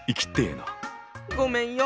ごめんよ